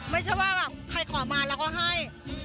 ไม่ใช่ว่าแบบใครขอมาเราก็ให้